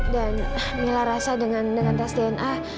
dan mila rasa dengan tes dna